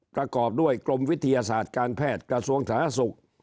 ประกอบด้วยกรมวิทยาศาสตร์การแพทย์กระทรวงสาธารณสุข